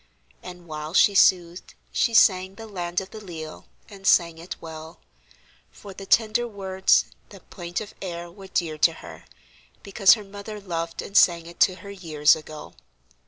And while she soothed she sang the "Land o' the Leal," and sang it well; for the tender words, the plaintive air were dear to her, because her mother loved and sang it to her years ago.